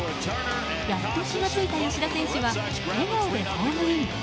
やっと気が付いた吉田選手は笑顔でホームイン。